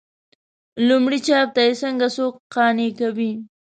لومړي چاپ ته یې څنګه څوک قانع کوي.